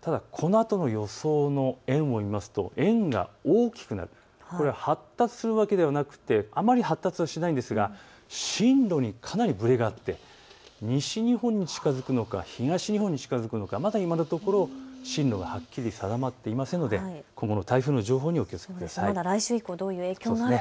ただこのあとの予想の円を見ますと円が大きくなっている、発達するわけではなくあまり発達はしないんですが進路にかなりぶれがあって西日本に近づくのか東日本に近づくのかまだ今のところ進路がはっきり定まっていませんので今後の情報にご注意ください。